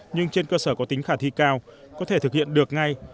nhưng trên cơ sở có tính khả thi cao có thể thực hiện được ngay